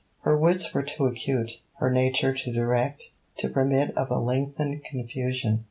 Her wits were too acute, her nature too direct, to permit of a lengthened confusion.